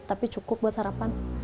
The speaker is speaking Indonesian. tapi cukup buat sarapan